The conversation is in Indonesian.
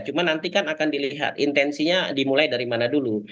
cuma nanti kan akan dilihat intensinya dimulai dari mana dulu